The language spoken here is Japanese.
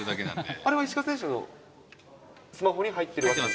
あれは石川選手のスマホに入そうなんです。